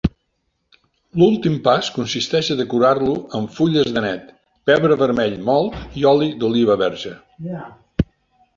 L'últim pas consisteix a decorar-lo amb fulles d'anet, pebre vermell mòlt i oli d'oliva verge.